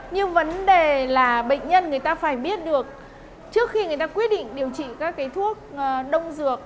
nhưng vấn đề là bệnh nhân người ta phải biết được trước khi người ta quyết định điều trị các cái thuốc đông dược